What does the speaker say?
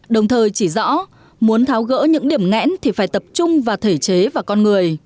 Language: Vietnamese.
đồng thời chỉ rõ muốn tháo gỡ những điểm ngẽn thì phải tập trung vào thể chế và con người